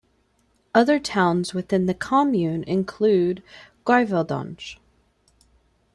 Other towns within the commune include Greiveldange.